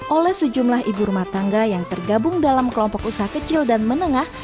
oleh sejumlah ibu rumah tangga yang tergabung dalam kelompok usaha kecil dan menengah